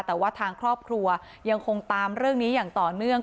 แต่ว่าทางครอบครัวยังคงตามเรื่องนี้อย่างต่อเนื่อง